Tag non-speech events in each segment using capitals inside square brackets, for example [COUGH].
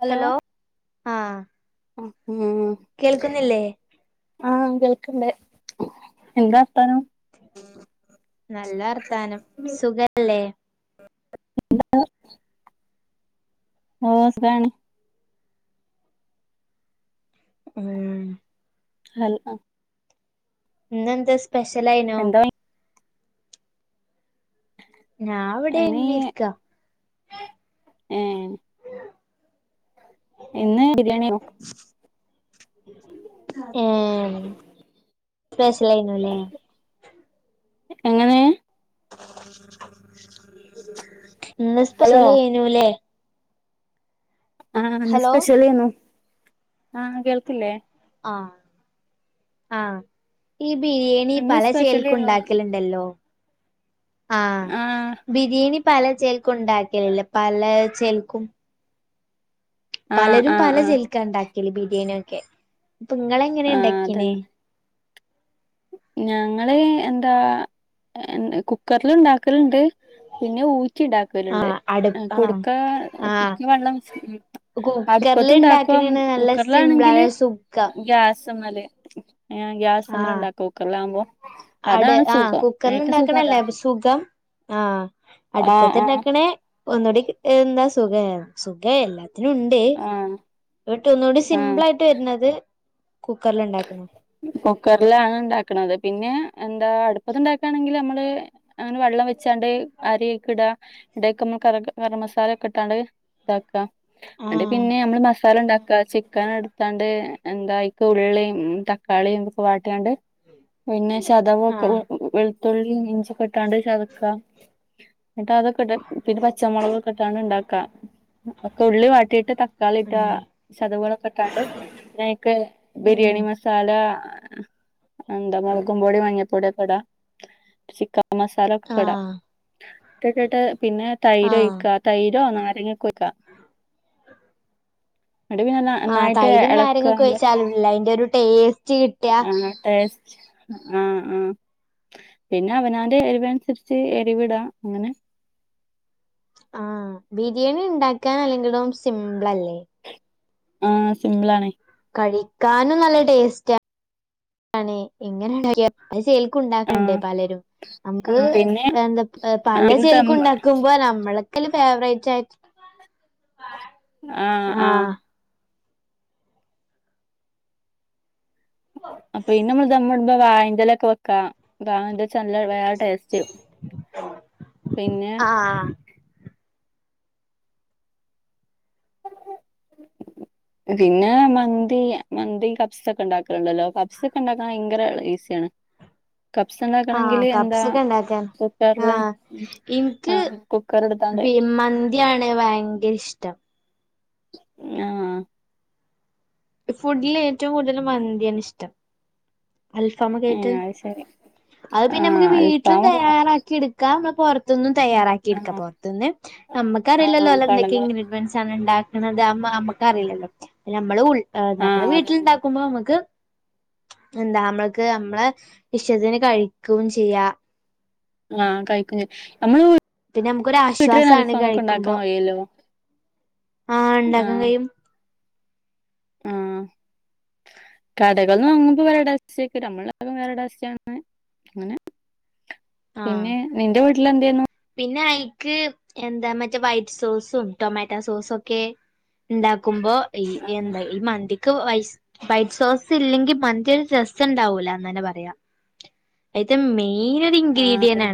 Hello ആഹ് ആ കേൾക്കുന്നില്ലേ ആഹ് കേൾക്കണ്ടേ എന്താ വർത്താനം നല്ല വർത്താനം സുഖല്ലേ [UNINTELLIGIBLE] ഓ സുഖാണ് ഇം ഹൽ ആഹ ഇന്നെന്താ സ്പെഷ്യൽലായിനോ എന്താ ഞാ ഇവിടെ അയ്ന് ഇങ്ങനെ ഇരിക്കാ ഏഹ് ഇന്ന് ബിരിയാണേനും ഹേ സ്പെഷലായിരുന്നുല്ലേ എങ്ങനെ ഇന്ന് ഹലോ സ്പെഷ്യൽ എയ്നുല്ലേ ആഹ ഇന്ന് ഹലോ സ്പെഷ്യലെന്നു ആഹ് കേൾകില്ലേ ആഹ ആഹ് ഈ ആഹ് ബിരിയാണി ഇന്ന് പല ചെൽക്കും സ്പെഷ്യലേന്നു ഇണ്ടാക്കലുണ്ടല്ലോ ആഹ ആഹ് ബിരിയാണി പല ച്ചേൽക്കും ഇണ്ടാക്കലില്ലേ പല ചേൽക്കും ആഹ് പലരും പല ആഹ് ആഹ് ആഹ് ചെല്ക്ക ഇണ്ടാക്കല് ബിരേണിയൊക്കെ ഇപ്പൊങ്ങളങ്ങനെ ഇണ്ടാക്കീനെ അതന്നെ ഞങ്ങള് എന്താ കുക്കറിൽ ഇണ്ടാക്കല്ണ്ട് പിന്നെ ഊറ്റി ഇണ്ടാ ലുണ്ട് ആഹ് അടുപ്പ് ആഹ് കുടുക്ക ആഹ് കുടുക്കിവെള്ളം കുക്കറില് അട്പ്പത്ത് ഇണ്ടാക്കും ഇണ്ടാക്കണാണ് നല്ല സിംമ്പിൾ കുക്കറിലാണെങ്കില് അതെ സുഖം ഗ്യാസ്മല് എ അ ഗ്യാസ്മല് ആഹ് ഉണ്ടാക്കും അട് അതാണ് ആഹ സുഖം കുക്കർൽ ഏറ്റവും സുഖം ഇണ്ടാക്ണതല്ലേ അതാണ് അപ്പോസുഖം ആഹ ആഹ് ആഹ് അട്പ്പത്ത്ണ്ടാക്കണെ ഒന്നുകൂടി എന്താ സുഖേ സുഖേ എല്ലാത്തിനും ഉണ്ട് ആഹ ഇങ്ങട്ട് ഒന്നുകൂടി സിംപിൾ ആയിട്ട് വരുന്നത് കുക്കറിൽ ഇണ്ടാക്ക്ണ കുക്കറിലാണ് ഇണ്ടാക്ക്ണത് പിന്നെ എന്താ അടുപ്പത്ണ്ടാക്കാണെങ്കിൽ ഞമ്മള് അങ്ങനെ വള്ളം വെച്ചാണ്ട് അരി അയ്ക്ക്ഇട ന്നട്ട് അയ്ക്ക് കറ കറ്മസാല ഒക്കെ ഇട്ടാണ്ട് ഇതാക്ക ഇന്നട്ട് ആഹ് പിന്നെ നമ്മള് മസാല ഇണ്ടാക്ക ചി ക്കന് ഇട്ത്താണ്ട് എന്താ അയ്ക്ക് ഉള്ളീം തക്കാളീം ഒക്കെ വാട്ടിങ്ങാണ്ട് പിന്നെ ചതവൊക്കെ ഉ ആഹ് വെൾത്തുള്ളിം ഇഞ്ചി ഒക്കെ ഇട്ട്ങ്ങാണ്ട് ചതക്കാ ന്നട്ട് അതൊക്കെ ഇട്ട് പിന്നെ പച്ചമൊളക് ഒക്കെ ഇട്ട്ങ്ങാണ്ട് ഇണ്ടാക്ക ഒക്കെ ഉള്ളി വാട്ടിയിട്ട് ത തക്കാളി ഇട്ട് ആഹ് ചതവോള് ഒക്കെ ഇട്ടാണ്ട് പിന്നെ അയ്ക്ക് ഉം ബിരിയാണി മ സാല എന്താ മൊളകും പൊടി മഞ്ഞപൊടി ഒക്കെ ഇട ചിക്ക ക്കൻ മസാലൊക്കെ ഇട ആഹ് ഒക്കെ ഇട്ട്ട്ട് പിന്നെ തൈര് ആഹ് ഒഴിക്ക തൈരോ നാരങ്ങെ ഒക്കെ ഒഴിക്കാ ന്നട്ട് പിന്നെ ന ആഹ് നന്നായിട്ട് തൈരും എളക്കാ നാരങ്ങൊക്കെ മസാല ഒഴിച്ചാലുണ്ടല്ലോ അതിന്റെ ഒരു ടേസ്റ്റ് കിട്ടാ അഹ് ആഹ് ടേസ്റ്റ് ആഹ് ആഹ് പിന്നെ അവനാന്റെ എരിവ്ന് അനുസരിച്ച് എരിവ്ടാ അങ്ങനെ ആഹ് ബിരിയാണി ഇണ്ടാക്കാൻ അല്ലെങ്കിലും സിംമ്പ്ളല്ലേ ആഹ് സിംമ്പ്ളാണെയ് കഴിക്കാനും നല്ല ടേസ്റ്റാണ് ഇങ്ങനെ ഇണ്ടാക്കിയാലും പല ചേൽക്കും ഇണ്ടാക്ക്ണ്ട് ആഹ് പലരും നമുക്ക് പിന്നെ എന്താ പല പിന്നെ ദം ചേൽക്കും ഇണ്ടാക്കും മ്പൊ ഞമ്മ്ള്ക്ക് അയ്ല് ഫേവറേറ്റ് ആയിറ്റ് ആഹ് ആഹ് ന്താ വാഴെന്റെ എലൊക്കെ വെക്കാ വാഴന്റെല വെച്ച നല്ല വേറെ ഒര് ടേസ്റ്റ് പിന്നെ ആഹ് [UNINTELLIGIBLE] പിന്നെ മന്തി മന്തി കബ്സ ഒക്കെ ഇണ്ടാക്കല്ണ്ടല്ലോ കബ്സ ഒക്കെ ഇണ്ടാക്കാൻ ഭയങ്കര ഈസിയാണ് കബ്സ ആഹ് ഇണ്ടാക്കണെങ്കില് എന്താ കപ്സ് ഒക്കെ ഉണ്ടാക്കാൻ ക്കുക്കർല് ആഹ് ഉം ആണ് കുക്കർ ഇട്ത്താണ്ട് ന്തിയാണ് ഭയങ്കരെ ഇഷ്ടം ആഹ് ആഹ് ഫുഡ്ല് ഏറ്റവും കൂട്തല് മന്തിയാണ് ഇഷ്ടം. അൽഫാം ഒക്കെ ഏ ആയിറ്റ് അത് ശരി അഹ് ആ പിന്നെ അമ്മ്ക്ക് വീട്ട്ലും അൽഫാമ് തയ്യാറാക്കി ഇട്ക്കാം ന്ന പൊറ ത്ത്ന്നും തയ്യാറാക്കി ആ ഇട്ക്ക. പൊർത്ത്ന്ന് ആ ഞമ്മക്കറീലല്ലോ ഓലെന്തെക്കെ കടകള് ഇഗ്രീഡിയന്റ്സാണ് ഇണ്ടാ ക്ക്ണത് അതൊന്നും അമ്മക്കറീല്ലല്ലോ പ്പ ഞമ്മള് ഉൾ എഹ് ആ നമ്മള് അതന്നെ വീട്ട്ല്ണ്ടാക്കുമ്പൊ നമ്മക്ക്. എന്താ അമ്മൾക്ക് അമ്മ്ളെ ഇഷ്ടത്തിന് കഴിക്കും ചെയ്യാ. ആഹ് കഴിക്കും ച്ചെയ്യാ നമ്മള് പിന്നെ നമുക്കൊരു വീട്ട്ല് തന്നെ ആശ്വാസാണ് അൽഫാമൊക്കെ കഴിക്കുമ്പോ ഇണ്ടാകാൻ കഴിയൊല്ലോ. ആഹ് ഇണ്ടാക്കാൻ കയ്യും. ആഹ്. കടകൾന്ന് വാങ്ങുമ്പൊ വേറെ ടേസ്റ്റെയ്ക്കാരം അമ്മള് ഇണ്ടാക്കുമ്പൊ വേറെ ടേസ്റ്റാണ് അങ്ങനെ ആഹ് പിന്നെ നിന്റെ വീട്ടില് എന്തേര്ന്നു. പിന്നെ അയിക്ക് എന്താ മറ്റേ വൈറ്റ് സോസും ടൊമാറ്റോ സോസൊക്കെ. ഇണ്ടാക്കുമ്പോ ഈ എന്താ ഈ മന്തി ക്ക് വൈസ് വൈറ്റ് സോസ് ഇല്ലെങ്കി മന്തി ഒരു രസം ഇണ്ടാവൂലാന്നെന്നെ പറയാം. അയ്ത്തെ മെയ്നൊര് ഇൻ ആഹ് അതന്നെ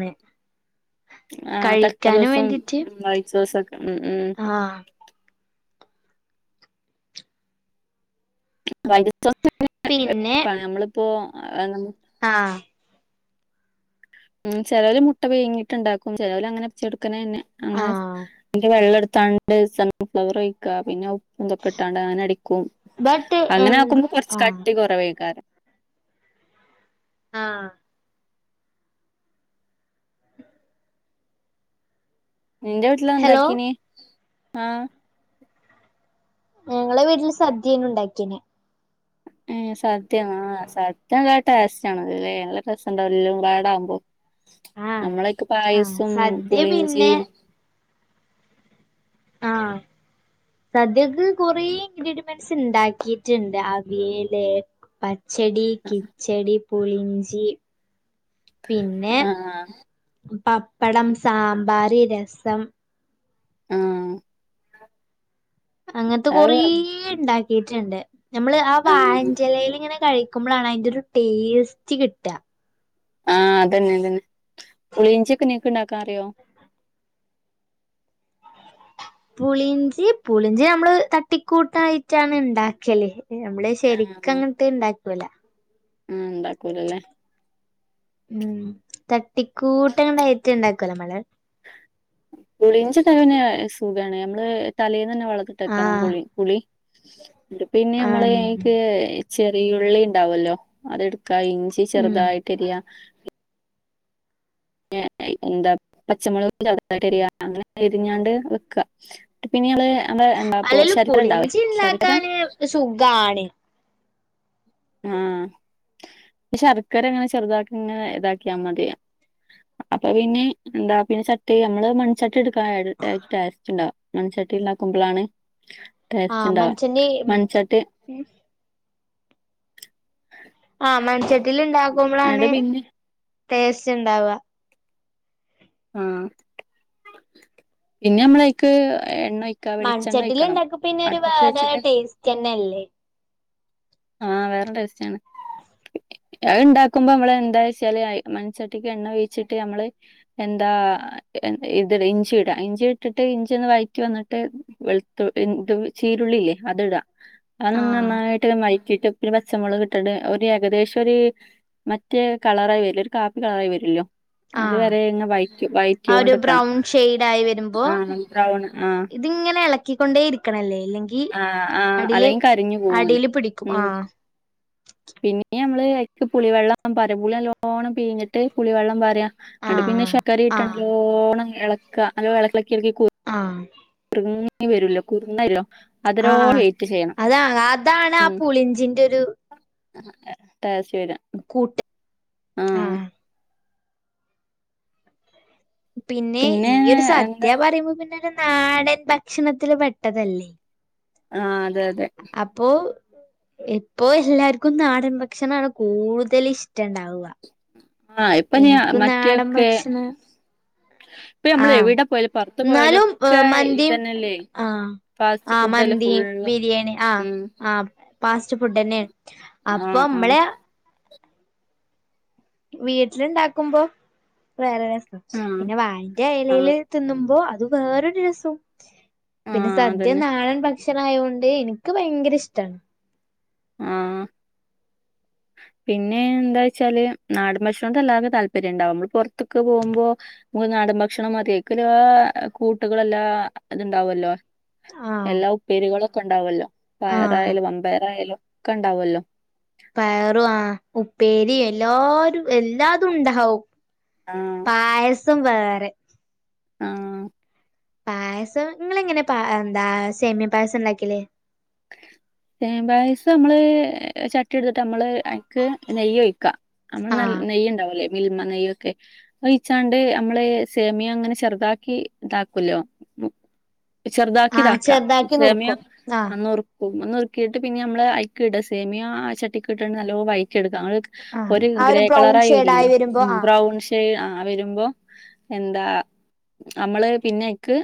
ആഹ് തക്കളി കഴിക്കാനും സോസും വേണ്ടിട്ട് വൈറ്റ് സോസു ഒക്കെ ക്കാണ് ഉം ആഹ്. വൈറ്റ് സോസ് [UNINTELLIGIBLE] പിന്നെ എൾപ്പാണ് നമ്മള്പ്പോ എന്താണ്. ആഹ്. ഉം ചെലോല് മുട്ട പുയ്ങ്ങിട്ട് ഇണ്ടാക്കും ചെലോല് അങ്ങനെ ച്ചോട്ക്കനെന്നെ അങ്ങനെ സ് ആഹ് അയ്‌ന്റെ വെള്ള ഇട്ത്താണ്ട് സൺഫ്ലവർ ഒഴിക്കാ പിന്നെ തൊക്കെട്ടാണ്ട് അങ്ങനെ അടിക്കും ബട്ട് എന്ത് അങ്ങനാക്കുമ്പൊ കൊർച്ച് ആഹ് കട്ടി കൊറവേക്കാരം ആഹ് നിന്റെ വീട്ടില ഹലോ അത്ണ്ടാക്കിന് ആഹ് ഞങ്ങളെ വീട്ടില് സദ്ധ്യേനു ണ്ടാക്കീനെ ഏഹ് സദ്യ ആഹ് [UNINTELLIGIBLE] ടേസ്റ്റാണല്ലെ ലെ നല്ല രസണ്ടാവൂലെ [UNINTELLIGIBLE] ആഹ് ഞമ്മളയ്ക്ക് ആഹ് പായസും സദ്യ പുളിഞ്ചി പിന്നെ ആഹ് സദ്യക്ക് കൊറെ ഇൻഗ്രീഡിമെൻസ് ണ്ടാക്കീറ്റ്ണ്ട് അവിയല് പ ച്ചെടി കിച്ചെടി പുളിയിഞ്ചി പിന്നെ ആ പപ്പടം സാമ്പാറ് രെസം ആഹ് അങ്ങൻത്തെ കൊറേണ്ടാക്കീറ്റ്ണ്ട് ഞമ്മള് ആ ആഹ് വായന്റെലേല്ങ്ങനെ കഴി ക്കുമ്പളാണ് അയ്ന്റൊരു ടേസ്റ്റ് കിട്ട ആഹ് അതെന്നെ അതെന്നെ പുളിയിഞ്ചി ഒക്കെ നിങ്ങക്ക് ണ്ടാക്കാൻ അറിയോ പുളിയിഞ്ചി പുളിഞ്ചി നമ്മള് തട്ടിക്കൂട്ടായിട്ടാണ് ണ്ടാക്കല് നമ്മള് ആഹ് ശെരിക്കങ്ങട്ട്ണ്ടാക്കൂല ആഹ് ണ്ടാക്കൂല ലെ ഉം തട്ടിക്കൂട്ടങ്ങട്ടായിറ്റ് ണ്ടാക്കൊല്ലമ്മള് പുളിയിഞ്ചിയൊക്കെങ്ങനെ സുഖാണ് നമ്മള് തലേന്നെന്നെ വെള്ളത്തിലെട്ടക്കണം ആഹ് പുളി പുളി പിന്നെ ആഹ് നമ്മളയ്ക്ക് ചെറിയുള്ളി ണ്ടാവല്ലോ അതെടു ക്ക ഇഞ്ചി ഉം ചെറുതായിട്ടരിയ ന്നെ എന്താ പച്ചമൊളക് [UNINTELLIGIBLE] അങ്ങനെ അരിഞ്ഞാണ്ട് വെക്ക [UNINTELLIGIBLE] ഇത് സുഖാണ് ആഹ് ശർക്കരങ്ങനെ ചെറുതാക്കിങ്ങനെ താക്യമതി അപ്പൊ പിന്നെ ന്താ പിന്നെ ചട്ടി അമ്മള് മൺ ചട്ടിട്ക്കാൻ ഒര് ടേസ്റ്റ്ണ്ടാവും മൺ ചട്ടിണ്ടാക്കുമ്പളാണ് ടേസ്റ്റ്‌ണ്ടാവാ മൺചട്ടി ഉം ആഹ് അടെ മൺചട്ടില്ണ്ടാക്കുമ്പളാണ് പിന്നെ ടേസ്റ്റ്ണ്ടാവ ആഹ് പിന്നമ്മളയ്ക്ക് എണ്ണോയ് മൺചട്ടില് ണ്ടാക്ക പിന്നൊരു വേറെ വെച്ചിട്ട് ടേസ്റ്റെന്നല്ലെ ആഹ് വേറെ ടേസ്റ്റാണ് അത് ണ്ടാക്കുമ്പോ നമ്മള് എന്താച്ചാല് അത് മൺചട്ടിക്ക് എണ്ണ ഒഴിച്ചിട്ട് നമ്മള് എന്താ ഇത്ട ഇഞ്ചിട ഇഞ്ചിട്ട്ട്ട് ഇഞ്ചി ഒന്ന് വഴറ്റി വന്ന്ട്ട് വെൾത്തു തും ചീരുള്ളില്ലേ അത്ടാ അത് ആഹ് നന്നായിട്ട് വഴ റ്റിട്ട് ഒരു പച്ചമൊളക്ട്ട്ട്ട് ഒരു ഏകദേശൊര് മറ്റേ കളറായി വെര്ല്ലെ ഒരു കാപ്പി കളറായി വെരില്ലോ അത് ആഹ് വെരെ ഇങ് വഴറ്റി ആ ഒരു വഴറ്റോണ്ട്ക്കണം ബ്രൗൺ ഷെയ്ഡ് ആഹ് ബ്രൗണ് ആഹ് ഇത്ങ്ങനെ എളക്കിക്കൊണ്ടേരിക്കണം ലെ ല്ലെങ്കി ഈ ആ ആ അടില് അല്ലെങ്കിൽ കരിഞ്ഞു പോവൂലോ അടീല് പിടിക്കും ഉം ആഹ് പിന്നെ ഞമ്മള് അയ്ക്ക് പുളിവെള്ളം പാരും പുളി നല്ലോണം പീഞ്ഞിട്ട് പുളി വെള്ളം പാര ന്ന്ട്ട് പിന്നെ ആഹ് ആഹ് ശക്കരട്ടല്ലോണം എളക്ക നല്ലോ എള‌ക്കി എളക്കി കു ആഹ് കുറുകി വെരോല്ലോ കുറുകല്ലോ ആഹ് അതാണ് അതാണ് ആ ഉം പുളിഞ്ചിന്റെ ഒരു ടേസ്റ്റ് വരാ കൂട്ട് ആഹ് പിന്നെ ഈ ഒരു സദ്യ പറയുമ്പോ പിന്നെ ഒരു നാടൻ ഭക്ഷണത്തില് പെട്ടതല്ലേ. ആഹ് അതെ അതെ. അപ്പോ ഇപ്പോ എല്ലാർക്കും നാടൻ ഭക്ഷണം ആണ് കൂടുതൽ ഇഷ്ടണ്ടാവ. ആ ഇപ്പൊ ഞാൻ എനിക്കും നാടൻ മറ്റൊക്കെ ഭക്ഷണം ഇപ്പൊ നമ്മൾ ആഹ് എവിടെ പോയാലും പുറത്ത് പോയാലും എന്നാലും ഒക്കെ മന്തിയും ഇതന്നെയല്ലേ ആഹ് ഫാസ്റ്റ് ആഹ് ഫുഡ് അല്ലേ മന്തീം ഫുള്ള് ബിരിയാണി ആഹ് ഉം ആഹ് ഫാസ്റ്റ് ഫുഡ് തന്നെയാണ് അപ്പൊ ആഹ് ആഹ് നമ്മള് വീട്ടില് ഇണ്ടാക്കുമ്പോ വേറെ രസം ആഹ് പിന്നെ വായന്റെ ആഹ് എലേല് തിന്നുമ്പോ അത് വേറൊരു രസം പിന്നെ ആഹ് സദ്യ അതന്നെ നാടൻ ഭ ഭക്ഷണായോണ്ട് എനിക്ക് ഭയങ്കര ഇഷ്ടാണ്. ആഹ് പിന്നെ എന്താ വെച്ചാല് നാടൻ ഭക്ഷണൊക്കെ എല്ലാവർക്കും താല്പര്യം ഇണ്ടാവും നമ്മള് പൊറത്ത്ക്ക്‌ പോകുമ്പോ മോൻ നാടൻ ഭക്ഷണം മതി അയ്ക്ക്ള്ള കൂട്ടുകളെല്ലാം ഇത്ണ്ടാവൊല്ലോ ആഹ് എല്ലാ ഉപ്പേരികളൊക്കെ ഉണ്ടാവല്ലോ ആഹ് പയറായാലും മൻപയറായാലും ഒക്കെ ഉണ്ടാവല്ലോ. പയറു ആഹ് ഉപ്പേരിം എല്ലാരും എല്ലാതും ഉണ്ടാവും. ആഹ് പായസം വേറെ ആഹ് പായസം നിങ്ങള് എങ്ങനെ പാ എന്താ സെമിയ പായസം ഇണ്ടാക്കല്? സേമിയ പായസം നമ്മള് ചട്ട് ട്ടി എടുത്തിട്ട് നമ്മള് അയ്ക്ക് നെയ്യ് ഒഴിക്കാ നമ്മള് നല്ല ആഹ് നെയ്യ് ഉണ്ടാവുംല്ലേ മിൽമ നെയ്യൊക്കെ ട്ട്- ഒഴിച്ചാണ്ട് നമ്മള് സേമിയം അങ്ങനെ ചെറുതാക്കി ഇതാക്കൊല്ലോ ചെറുതാക്കി ആഹ് ഇതാക്കാ ചെറുതാക്കി സേമിയം നുറുക്കും ആഹ് ന്നുർ നുറുക്കിട്ട് പിന്നെ നമ്മള് അയ്ക്ക് ഇട സേമിയം ആ ചട്ടിക്ക് ഇട്ട് ന്നല്ലോം വയറ്റി എടുക്ക അങ്ങനൊ- ആഹ് ഒരു ആ ഗ്രേ കളർ ബ്രൗൺ ആയി ഷെയ്ഡായി വരൊല്ലോ വരുമ്പോ ആഹ് ബ്രൗൺ ശ് ആ വരുമ്പൊ എന്താ നമ്മള് പിനെ അയ്ക്ക്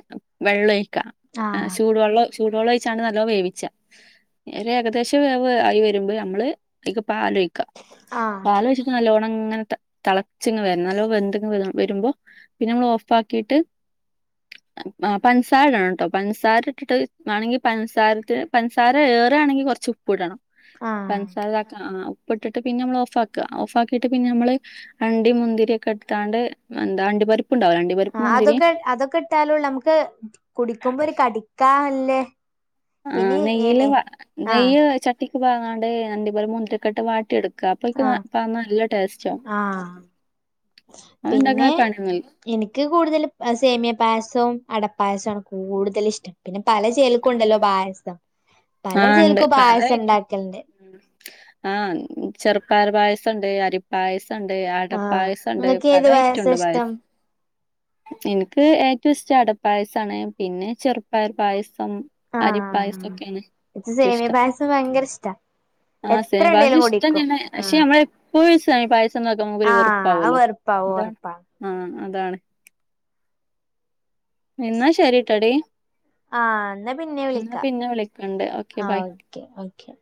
വെള്ളം ഒയി ക്ക ആഹ് ചൂടുവെള്ളം ചൂടുവെള്ളം ഒഴിച്ചാണ്ട് ന്നല്ലോം വേവിച്ച ക - ഒര് ഏകദേശം വേവ് ആയി വരുമ്പോ നമ്മള് അയ്ക്ക് പാൽ ഒയിക്കാ. ആഹ് പാലൊഴിച്ചിട്ട് നല്ലോണം ഇങ്ങനെ തളച്ചിങ്ങ് വരണം ന്നല്ലോം വെന്ത്‌ ഇങ് വരുമ്പോ പിന്നെ ന്നമ്മള് ഓഫ്‌ ആക്കിട്ട് ആ പഞ്ചസാര ഇടണം ട്ടോ പഞ്ചസാര ഇട്ടിട്ട് വാണെങ്കി പഞ്ചസാര പഞ്ചസാര ഏർ- ഇടെണെങ്കി കൊറച്ച് ഉപ്പ് ഇടണം. ആഹ് ഇതാക്ക ആ ഉപ്പിട്ടിട്ട് പിന്നെ നമ്മള് ഓഫാക്ക ഓഫാക്കിയിട്ട് പിന്നെ നമ്മള് അണ്ടി മുന്തിരി ഒക്കെ ഇട്ത്താണ്ട് എന്താ അണ്ടി പരിപ്പ് ഇണ്ടാവുലെ അണ്ടി- ആ അതൊക്കെ അതൊക്കെ ഇട്ടാലോള്ളൂ നമ്ക്ക് കുടിക്ക്മ്പോ ഒര് കടിക്കാൻ വല്ലെ ആ നെയ്യില് വാ നെയ്യ് ചട്ടിക്ക് പാങ്ങാണ്ട് അണ്ടിപരിപ്പും മുന്തിരിയൊക്കെ ഇട്ട് വാട്ടിയെട്ക്കും ക്കാ അപ്പാ അയ്ക്ക് ആഹ് പാന്നാ ന്നല്ല ടേസ്റ്റാവും ആഹ് അത് പിന്നെ ഇണ്ടാക്കാൻ പണിയൊന്നുല്ല എനിക്ക് കൂടുതല് സേമിയ പായസോം അടപ്പായസോം ആണ് കൂട്തല് ഇഷ്ട്ടം പിന്നെ പല ചെൽക്കും ഇണ്ടല്ലോ പായസം പല ആ ഇണ്ട് ചെൽക്കും പായസം ഇണ്ടാക്കൽണ്ട് [INAUDIBLE] ആഹ് ചെർപ്പയറ് പായസണ്ട് അരി പായസണ്ട് ആഹ് അടപായസണ്ട് നിങ്ങൾക്ക് പല ഏത് പായസാ ഐറ്റുണ്ട് ഇഷ്ടം പായസ് ഇൻക്ക് ഏറ്റവും ഇഷ്ടം അടപായസാണ് പിന്നെ ചെർപയർ പായസം അരി ആഹ് പായസൊക്കെ എനിക്ക് റ്റു സേമിയ ഇഷ്ട്ടം പായസം ഭയങ്കര ഇഷ്ടാ ആഹ് എത്ര സെമ്യേ പായസും ഉണ്ടേലും കുടിക്കും ഇഷ്ട്ടെന്നെണ് പക്ഷെ നമ്മള് എപ്പഴും ഈ സെമ്യേ പായസം ഇണ്ടാകുമ്പോ നമ്മുക്കൊരു ആഹ് അത് വെറുപ്പാവൊല്ലോ വെറുപ്പാവും ഇതാണ് ഒറപ്പാ ആഹ് അതാണ് ഇന്നാ ശെരിട്ടഡീ ആഹ് ന്നാ പിന്നെ വിളിക്ക ണ്ട് ഓക്കെ ബായ് ക്കെ ഓക്കെ